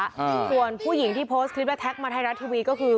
อ่าส่วนผู้หญิงที่โพสต์คลิปและแท็กมาไทยรัฐทีวีก็คือ